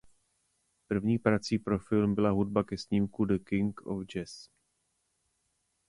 První prací pro film byla hudba ke snímku "The King of Jazz".